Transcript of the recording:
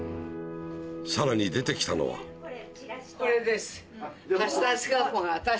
さらに出て来たのはこれです。